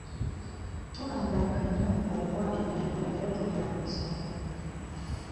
Tolandagga nnyo ng’owa ennyanjula era tuukira ku nsonga.